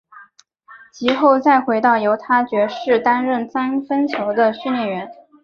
及后再回到犹他爵士担任三分球的训练员。